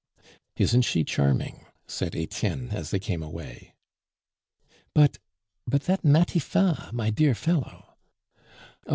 "Isn't she charming?" said Etienne, as they came away. "But but that Matifat, my dear fellow " "Oh!